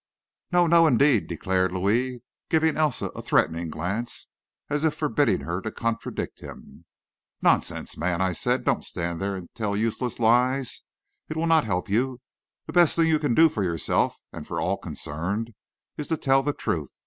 "No, no, indeed!" declared Louis, giving Elsa a threatening glance, as if forbidding her to contradict him. "Nonsense, man," I said; "don't stand there and tell useless lies. It will not help you. The best thing you can do for yourself and for all concerned is to tell the truth.